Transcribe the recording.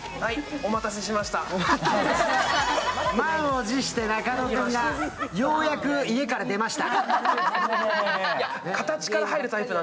満を持して中野君がようやく家から出ました。